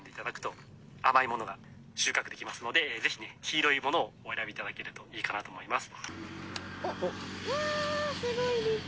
甘いものが収穫できますので黄色いものを選んでいただけるといいと思います。